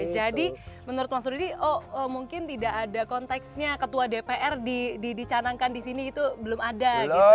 jadi menurut mas rudi oh mungkin tidak ada konteksnya ketua dpr dicanangkan di sini itu belum ada gitu